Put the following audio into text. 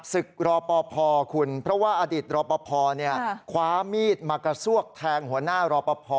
ศึกรอปภคุณเพราะว่าอดีตรอปภคว้ามีดมากระซวกแทงหัวหน้ารอปภ